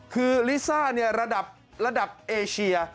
คือลิซ่าระดับเอเชีย